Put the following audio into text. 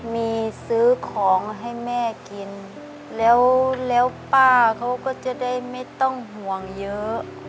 มีซื้อของให้แม่กินแล้วแล้วป้าเขาก็จะได้ไม่ต้องห่วงเยอะ